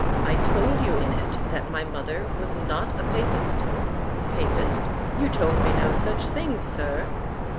I told you in it, That my mother was not a papist.——Papist! You told me no such thing, Sir.